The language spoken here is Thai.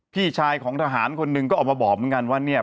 พี่ชายของทหารคนหนึ่งก็ออกมาบอกเหมือนกันว่าเนี่ย